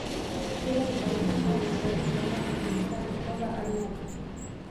سوله د تمدن او انساني کرامت د پرمختګ لپاره اړینه ده.